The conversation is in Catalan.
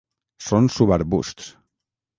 Són subarbusts.